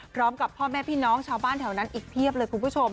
พร้อมกับพ่อแม่พี่น้องชาวบ้านแถวนั้นอีกเพียบเลยคุณผู้ชม